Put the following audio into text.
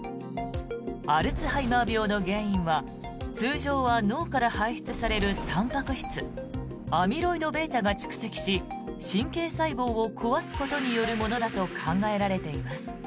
アルツハイマー病の原因は通常は脳から排出されるたんぱく質アミロイドβが蓄積し神経細胞を壊すことによるものだと考えられています。